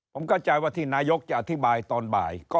ผมเข้าใจว่าที่นายกจะอธิบายตอนบ่าย